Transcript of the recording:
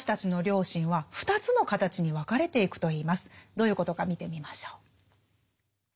どういうことか見てみましょう。